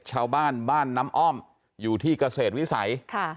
ชาวบ้านบ้านน้ำอ้อมอยู่ที่เกษตรวิสัย